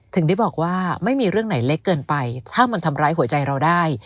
ถึงได้บอกว่าไม่มีเรื่องไหนเล็กเกินไปถ้ามันทำร้ายหัวใจเราได้